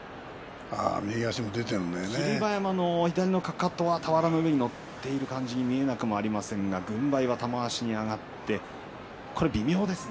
霧馬山の左のかかとは俵の上に乗っているように見えなくもないですが軍配は玉鷲に上がって微妙ですね。